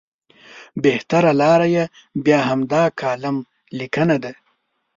بهتره لاره یې بیا همدا کالم لیکنه ده.